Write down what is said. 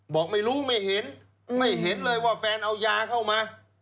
บอกไม่รู้ไม่เห็นไม่เห็นเลยว่าแฟนเอายาเข้ามา